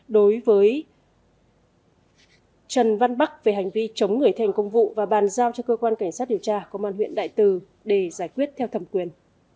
đối với trần văn bắc về hành vi chống người thành công vụ và bàn giao cho cơ quan cảnh sát điều tra công an huyện đại từ để giải quyết theo thẩm quyền